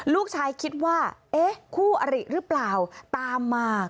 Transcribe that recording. ลูกชายคิดว่าเอ๊ะคู่อริหรือเปล่าตามมา